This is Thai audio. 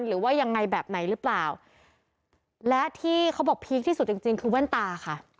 หรือว่ายังไงแบบไหนหรือเปล่าและที่เขาบอกพีคที่สุดจริงจริงคือแว่นตาค่ะ